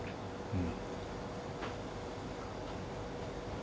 うん・